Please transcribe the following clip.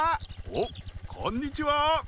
おっこんにちは！